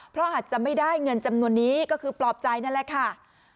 เพราะอาจจะไม่ได้เงินจำนวนนี้ก็คือปลอบใจนั่นแหละค่ะ